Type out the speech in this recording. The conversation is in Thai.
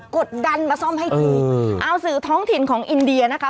กดดันมาซ่อมให้ทีเอาสื่อท้องถิ่นของอินเดียนะคะ